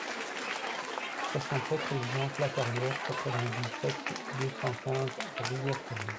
soixante-sept résidence La Carrière, quatre-vingt-dix-sept, deux cent quinze à Rivière-Salée